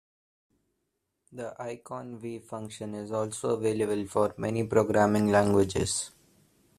The iconv function is also available for many programming languages.